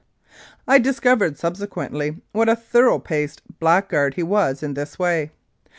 I discovered subsequently what a thorough paced blackguard he was in this way.